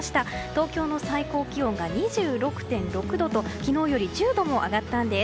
東京の最高気温が２６．６度と昨日より１０度も上がったんです。